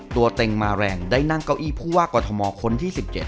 ตัวเองมาแรงได้นั่งเก้าอี้ผู้ว่ากอทมคนที่๑๗